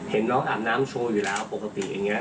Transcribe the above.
เห็นน้องอาบน้ำโชว์อยู่แล้วปกติอย่างนี้